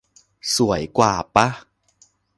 สวยกว่าปะ